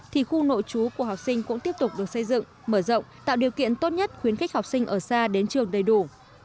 thì khu nội chú của học sinh cũng tiếp tục được xây dựng mở rộng tạo điều kiện tốt nhất khuyến khích học sinh ở xa đến trường đầy đủ